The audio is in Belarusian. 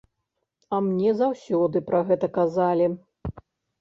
А мне заўсёды пра гэта казалі!